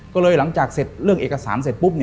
ก็เลยหลังจากเสร็จเรื่องเอกสารเสร็จปุ๊บ